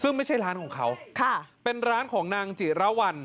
ซึ่งไม่ใช่ร้านของเขาเป็นร้านของนางจิระวัล